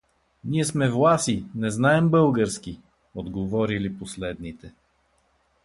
— Ние сме власи, не знаем български — отговорили последните.